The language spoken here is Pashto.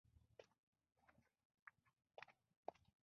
هغه وروستی کس و چې لا له ځایه نه و پورته